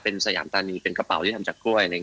เป็นสยามตานีเป็นกระเป๋าที่ทำจากกล้วย